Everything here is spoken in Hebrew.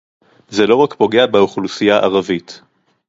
זה לא רק פוגע באוכלוסייה ערבית